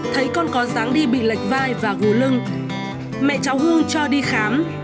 thấy con con sáng đi bị lệch vai và gù lưng mẹ cháu hương cho đi khám